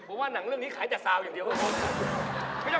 ผมว่านางเรื่องนี้ขายแต่ซาวอย่างเดียวพี่คุณผู้ชาย